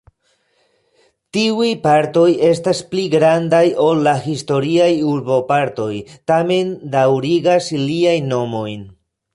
Tiuj partoj estas pli grandaj ol la historiaj urbopartoj, tamen daŭrigas iliajn nomojn.